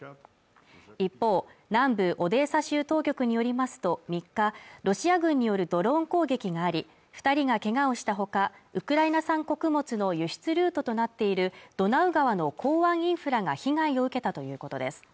一方南部オデーサ州当局によりますと３日ロシア軍によるドローン攻撃があり二人がけがをしたほかウクライナ産穀物の輸出ルートとなっているドナウ川の港湾インフラが被害を受けたということです